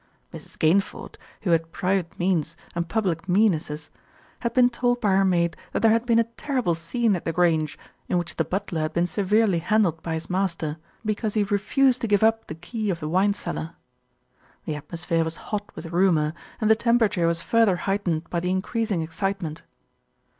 Mrs. Gaynford, who had private means and public meannesses, had been told by her maid that there had LITTLE BILSTEAD SITS IN JUDGMENT 111 been a terrible scene at The Grange, in which the butler had been severely handled by his master, be cause he refused to give up the key of the wine cellar. The atmosphere was hot with rumour, and the tem perature was further heightened by the increasing ex citement.